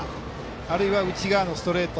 あるいは内側のストレート